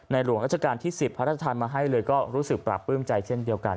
หลวงราชการที่๑๐พระราชทานมาให้เลยก็รู้สึกปราบปลื้มใจเช่นเดียวกัน